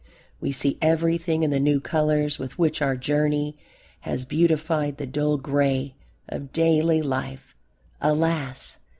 We see everything in the new colours with which our journey has beautified the dull gray of daily life; alas!